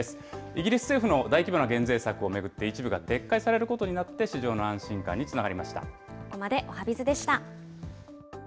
イギリス政府の大規模な減税策を巡って一部が撤回されることになって、市場の安心感につながりました。